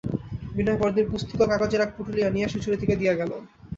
বিনয় পরদিন পুস্তিকা ও কাগজের এক পুঁটুলি আনিয়া সুচরিতাকে দিয়া গেল।